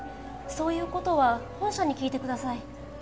そういう事は本社に聞いてください。